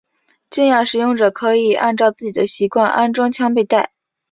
这样使用者可以按照自己的习惯安装枪背带。